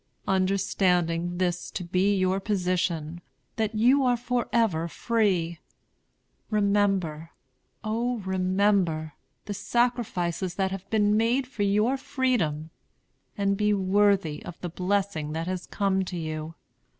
"Understanding this to be your position, that you are forever free, remember, O remember, the sacrifices that have been made for your freedom, and be worthy of the blessing that has come to you!